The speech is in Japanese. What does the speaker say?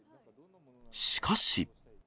しかし。